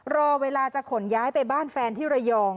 รอเวลาจะขนย้ายไปบ้านแฟนที่ระยอง